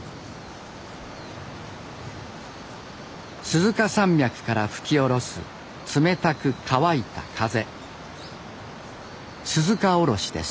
鈴鹿山脈から吹き降ろす冷たく乾いた風